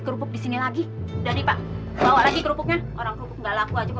kerupuk di sini lagi udah nih pak bawa lagi kerupuknya orang kerupuk nggak laku aja kok